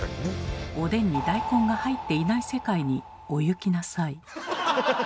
おでんに大根が入っていない世界にお行きなさい。